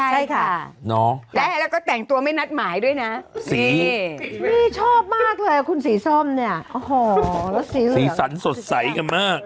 ใช่ค่ะและแล้วก็แต่งตัวไม่นัดหมายด้วยนะนี่ชอบมากเลยคุณสีส้มเนี่ยโอ้โหแล้วสีสันสดใสกันมาก